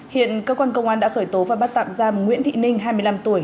hiện cơ quan công an đã khởi tố và bắt tạm giam nguyễn thị ninh hai mươi năm tuổi